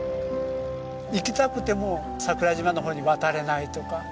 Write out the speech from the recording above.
行きたくても桜島の方に渡れないとか。